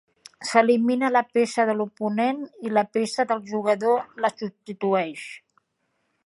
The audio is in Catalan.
S'elimina la peça de l'oponent i la peça del jugador la substitueix.